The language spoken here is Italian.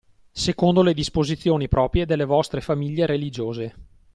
Secondo le disposizioni proprie delle vostre famiglie religiose